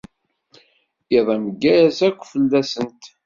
Iḍ ameggaz akk fell-asent.